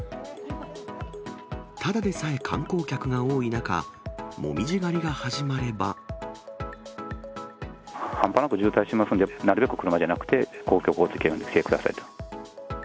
ただでさえ観光客が多い中、半端なく渋滞しますんで、なるべく車じゃなくて、公共交通機関で来てくださいと。